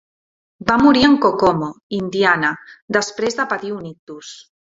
Va morir en Kokomo, Indiana, després de patir un ictus.